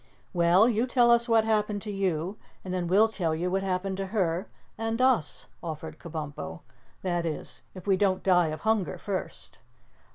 "Well, you tell us what happened to you, and then we'll tell you what happened to her and us," offered Kabumpo. "That is, if we don't die of hunger first."